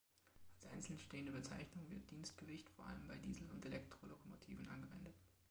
Als einzeln stehende Bezeichnung wird Dienstgewicht vor allem bei Diesel- und Elektrolokomotiven angewendet.